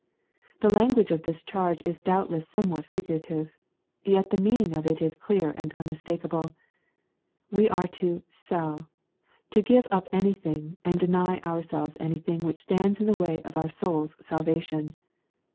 The language of this charge is doubtless somewhat figurative. Yet the meaning of it is clear and unmis takeable. We are to selly — to give up anything, and deny ourselves anything which stands in the way of our soul's salvation.